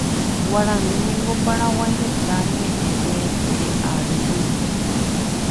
Guarani niko Paraguay retã ñeʼẽ teete ary guive.